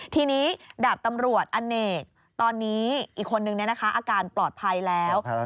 ทีนี้ดาบตำรวจอเนกตอนนี้อีกคนนึงอาการปลอดภัยแล้ว